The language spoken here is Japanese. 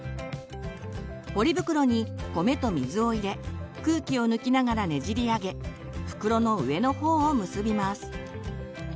ポリ袋に米と水を入れ空気を抜きながらねじり上げ袋の上のほうを結びます。